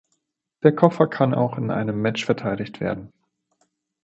Der Koffer kann auch in einem Match verteidigt werden.